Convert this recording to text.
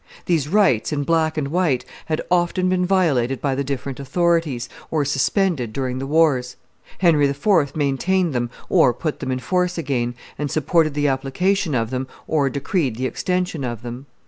These rights, in black and white, had often been violated by the different authorities, or suspended during the wars; Henry IV. maintained them or put them in force again, and supported the application of them or decreed the extension of them.